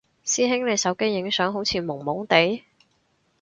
師兄你手機影相好似朦朦哋？